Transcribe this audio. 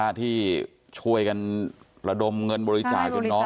น้องออมสินที่ช่วยกันประดมเงินบริจาคุณน้อง